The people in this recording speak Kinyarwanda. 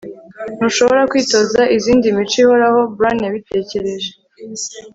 ntushobora kwitoza izindi mico ihoraho. bran yabitekereje